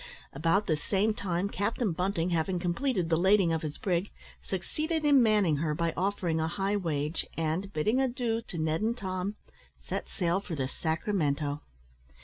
About the same time, Captain Bunting having completed the lading of his brig, succeeded in manning her by offering a high wage, and, bidding adieu to Ned and Tom, set sail for the Sacramento.